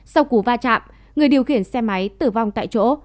sau cú va chạm người điều khiển xe máy tử vong tại chỗ